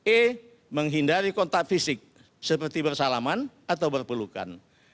e menghindari kontak fisik seperti bersalaman atau berpelukan